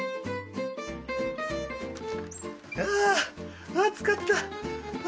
あー暑かった！